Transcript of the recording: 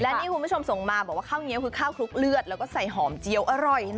นี่คุณผู้ชมส่งมาบอกว่าข้าวเงี้ยวคือข้าวคลุกเลือดแล้วก็ใส่หอมเจี๊ยวอร่อยนะ